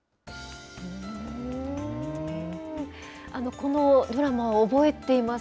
このドラマ、覚えています。